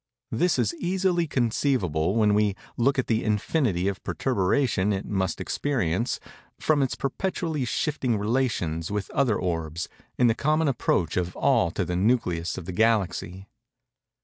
This is easily conceivable when we look at the infinity of perturbation it must experience, from its perpetually shifting relations with other orbs, in the common approach of all to the nucleus of the Galaxy.